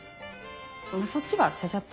そっちはちゃちゃっと。